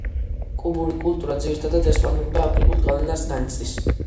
კუბური კულტურა ძირითადად ესპანურ და აფრიკულ გავლენას განიცდის.